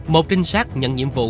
một tinh sát nhận nhiệm vụ